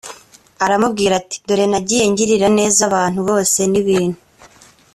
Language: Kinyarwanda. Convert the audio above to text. aramubwira ati dore nagiye ngirira neza abantu bose n ibintu